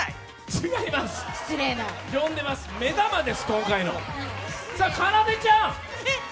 違います、呼んでます目玉です、今回の。